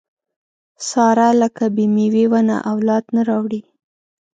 ساره لکه بې مېوې ونه اولاد نه راوړي.